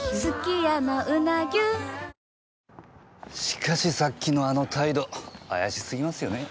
しかしさっきのあの態度怪しすぎますよね？